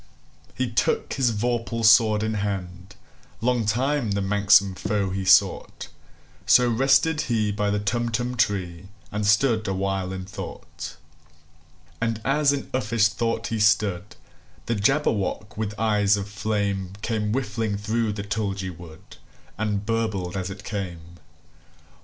He took his vorpal sword in hand:Long time the manxome foe he sought—So rested he by the Tumtum tree, And stood awhile in thought. And as in uffish thought he stood, The Jabberwock, with eyes of flame, Came whiffling through the tulgey wood, And burbled as it came!